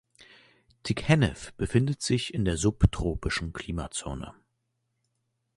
Tighennif befindet sich in der subtropischen Klimazone.